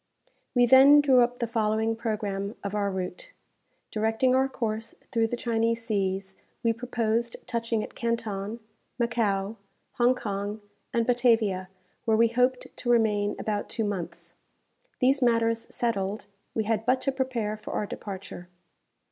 We then drew up the following programme of our route: Directing our course through the Chinese seas, we proposed touching at Canton, Macao, Hong Kong, and Batavia, where we hoped to remain about two months. These matters settled, we had but to prepare for our departure.